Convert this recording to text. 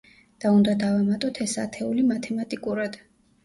და უნდა დავამატოთ ეს ათეული მათემატიკურად.